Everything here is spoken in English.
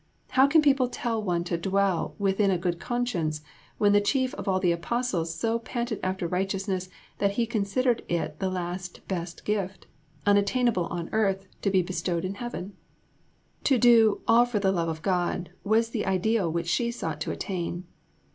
How can people tell one to dwell within a good conscience, when the chief of all the apostles so panted after righteousness that he considered it the last best gift, unattainable on earth, to be bestowed in Heaven?" To do All for the Love of God was the ideal which she sought to attain.